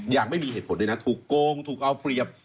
อย่างไม่มีเหตุผลด้วยนะถูกโกงถูกเอาเปรียบ